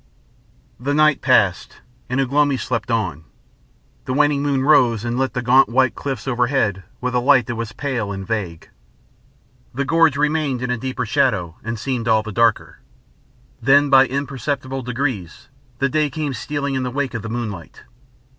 The night passed, and Ugh lomi slept on. The waning moon rose and lit the gaunt white cliff overhead with a light that was pale and vague. The gorge remained in a deeper shadow and seemed all the darker. Then by imperceptible degrees, the day came stealing in the wake of the moonlight.